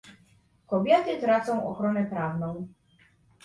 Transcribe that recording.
Kobiety tracą ochronę prawną